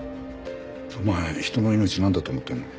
お前人の命なんだと思ってるの？